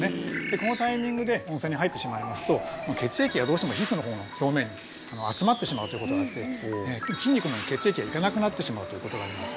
このタイミングで温泉に入ってしまいますと血液がどうしても皮膚の表面に集まってしまうということがあって筋肉の方に血液が行かなくなってしまうということがあります